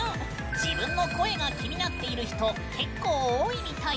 自分の声が気になっている人結構、多いみたい。